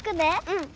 うん。